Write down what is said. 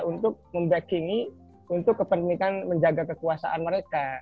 untuk membacking i untuk kepentingan menjaga kekuasaan mereka